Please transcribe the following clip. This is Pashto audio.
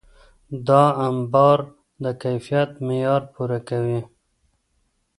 دا انبار د کیفیت معیار پوره کوي.